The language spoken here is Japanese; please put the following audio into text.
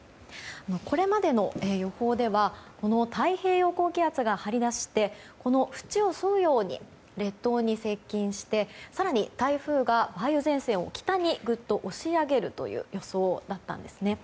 これまでの予報では太平洋高気圧が張り出してふちを沿うように列島に接近して更に、台風が梅雨前線をぐっと押し上げるという予想だったんですね。